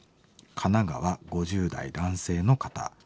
神奈川５０代男性の方。